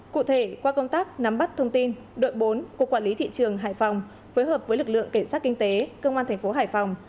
cụ thể qua công tác nắm bắt thông tin đội bốn của quản lý thị trường hải phòng phối hợp với lực lượng cảnh sát kinh tế công an thành phố hải phòng